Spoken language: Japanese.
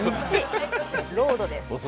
ロードです。